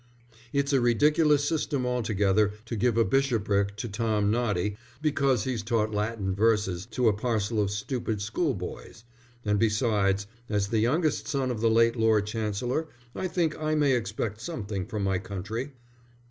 "It's a ridiculous system altogether to give a bishopric to Tom Noddy because he's taught Latin verses to a parcel of stupid school boys. And besides, as the youngest son of the late Lord Chancellor, I think I may expect something from my country."